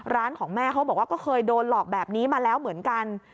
ของแม่เขาบอกว่าก็เคยโดนหลอกแบบนี้มาแล้วเหมือนกัน